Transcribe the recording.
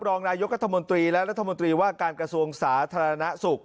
รองนายกรัฐมนตรีและรัฐมนตรีว่าการกระทรวงสาธารณสุข